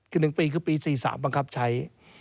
คือ๑ปีคือปี๔๓บังคับใช้